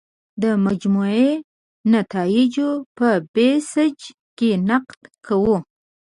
د مجموعي نتایجو په بیسج کې نقد کوو.